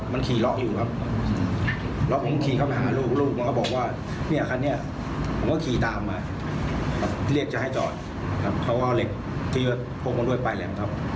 ไม่ตั้งใจให้โดนเขาถ้าตั้งใจยิงก็โดนไปแล้วครับ